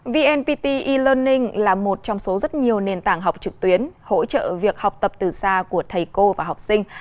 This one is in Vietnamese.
vnpt e learning là một trong số rất nhiều nền tảng học trực tuyến hỗ trợ việc học tập từ xa của thầy cô và học sinh